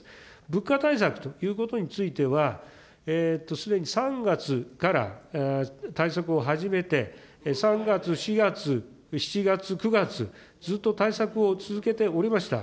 物価対策ということについては、すでに３月から対策を始めて、３月、４月、７月、９月、ずっと対策を続けておりました。